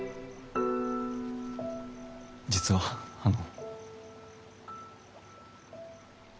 実はあの。